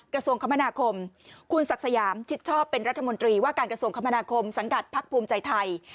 กระทรวงคมนาคมคุณศักดิ์สยามชิดชอบเป็นรัฐมนตรีว่าการกระทรวงคมนาคมสังกัดพักภูมิใจไทย